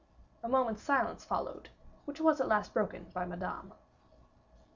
A moment's silence followed, which was at last broken by Madame.